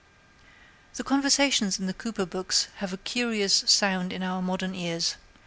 The conversations in the Cooper books have a curious sound in our modern ears.